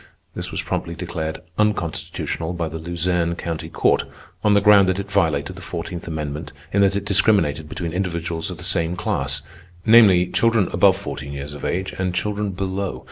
This was promptly declared unconstitutional by the Luzerne County Court, on the ground that it violated the Fourteenth Amendment in that it discriminated between individuals of the same class—namely, children above fourteen years of age and children below.